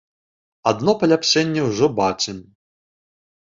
Адно паляпшэнне ўжо бачым.